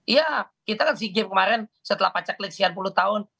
iya kita kan si game kemarin setelah pacak leksian sepuluh tahun